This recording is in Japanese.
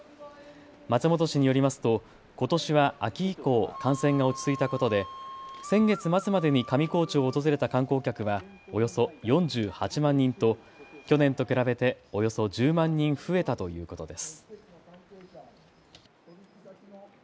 松本市によりますとことしは秋以降、感染が落ち着いたことで先月末までに上高地を訪れた観光客はおよそ４８万人と去年と比べておよそ１０万人増えたということです。